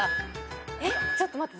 ちょっと待って。